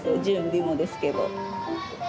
準備もですけど。